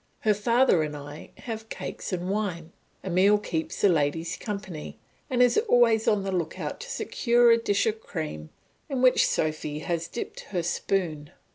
Her father and I have cakes and wine; Emile keeps the ladies company and is always on the look out to secure a dish of cream in which Sophy has dipped her spoon.